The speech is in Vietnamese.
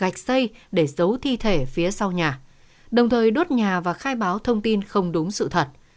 gạch xây để giấu thi thể phía sau nhà đồng thời đốt nhà và khai báo thông tin không đúng sự thật